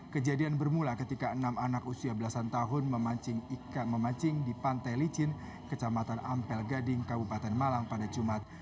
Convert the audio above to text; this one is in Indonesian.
kejadian bermula ketika enam anak usia belasan tahun memancing ikan memancing di pantai licin kecamatan ampel gading kabupaten malang pada jumat